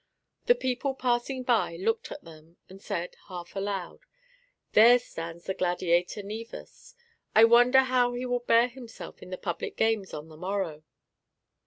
The people passing by looked at them, and said, half aloud, "There stands the gladiator Naevus. I wonder how he will bear himself in the Public Games on the morrow?"